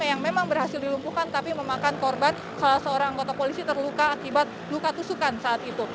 yang memang berhasil dilumpuhkan tapi memakan korban salah seorang anggota polisi terluka akibat luka tusukan saat itu